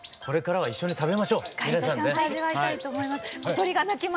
これからは一緒に食べましょう皆さんね。